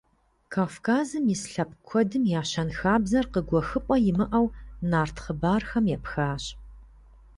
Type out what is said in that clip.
Кавказым ис лъэпкъ куэдым я щэнхабзэр къыгуэхыпӀэ имыӀэу нарт хъыбархэм епхащ.